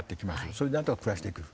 それでなんとか暮らしていける。